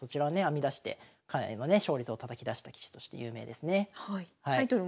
編み出してかなりのね勝率をたたき出した棋士として有名ですね。